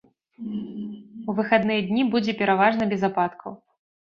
У выхадныя дні будзе пераважна без ападкаў.